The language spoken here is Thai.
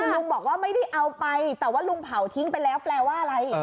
ลุงบอกว่าไม่ได้เอาไปแต่ว่าลุงเผาทิ้งไปแล้วแปลว่าอะไร